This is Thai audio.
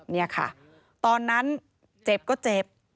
นี่ค่ะตอนนั้นเจ็บก็เจ็บ